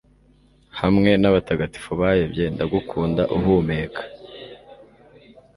hamwe n'abatagatifu bayobye. ndagukunda uhumeka